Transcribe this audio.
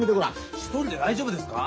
一人で大丈夫ですか？